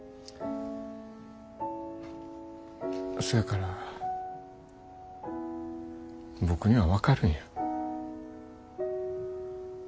そやから僕には分かるんや。